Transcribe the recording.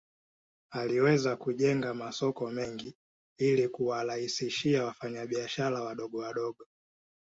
Aliweza kujenga masoko mengi ili kuwarahisishia wafanya biashara wadogo wadogo